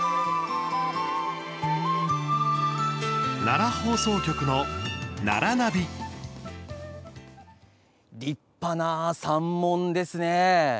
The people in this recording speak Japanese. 奈良放送局の「ならナビ」。立派な山門ですね。